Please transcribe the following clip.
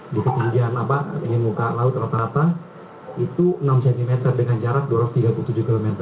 di ketinggian muka laut rata rata itu enam cm dengan jarak dua ratus tiga puluh tujuh km